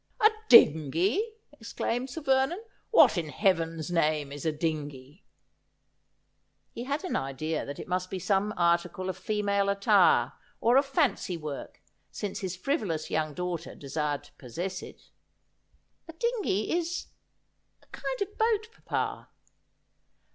'A dingey!' exclaimed Sir Vernon. 'What in Heaven's name is a dingey ?' He had an idea that it must be some article of female attire or of fancy work, since his frivolous young daughter desired to possess it. ' A dingey — is — a kind of boat, papa.'